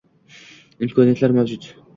imkoniyatlar mavjud.